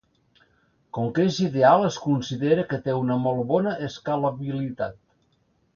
Com que és ideal, es considera que té una molt bona escalabilitat.